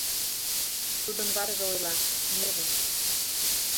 Тудын ватыже ойла — нерве...